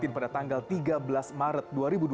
pada tanggal tiga belas maret dua ribu dua puluh